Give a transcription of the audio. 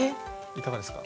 いかがですか？